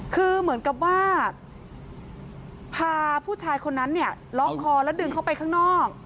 คือเหมือนกับว่าพาผู้ชายคนนั้นเนี่ยล็อกคอแล้วดึงเข้าไปข้างนอก